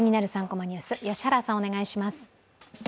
３コマニュース」、良原さん、お願いします。